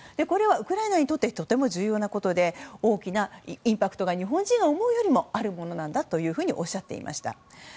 これはウクライナにとってとても重要なことで大きなインパクトが日本人が思うよりもあるものだとおっしゃっていました。